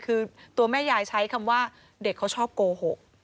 คือตัวแม่ยายใช้คำว่าเด็กเขาชอบโกหก